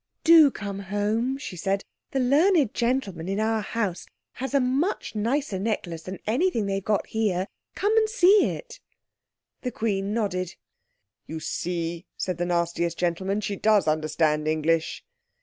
"Do come home," she said; "the learned gentleman in our house has a much nicer necklace than anything they've got here. Come and see it." The Queen nodded. "You see," said the nastiest gentleman, "she does understand English."